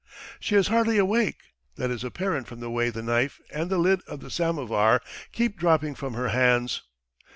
She is hardly awake, that is apparent from the way the knife and the lid of the samovar keep dropping from her hands.